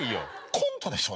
コントでしょ？